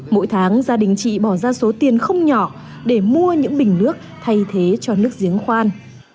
mỗi tháng gia đình chị bỏ ra số tiền không nhỏ để mua những bình nước thay thế cho nước giếng khoan